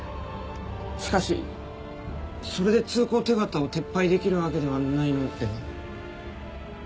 しかしそれで通行手形を撤廃できるわけではないのでは？